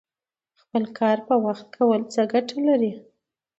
خپل کار په وخت کول څه ګټه لري؟